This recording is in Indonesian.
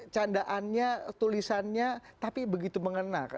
candaannya tulisannya tapi begitu mengena